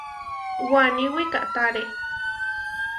Waní wikahtáre.